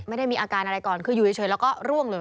ไม่ได้มีอาการอะไรก่อนคืออยู่เฉยแล้วก็ร่วงเลย